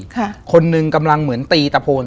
คนหนึ่งกำลังเหมือนตีตะโพน